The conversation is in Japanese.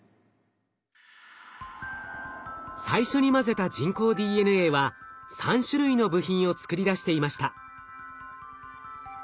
最初に混ぜた人工ＤＮＡは３種類の部品を作り出していました。